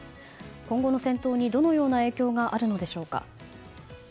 今後の戦闘にどのような影響があるのでしょうか。